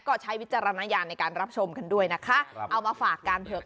ก็ใช้วิจารณญาณในการรับชมกันด้วยนะคะเอามาฝากกันเถอะ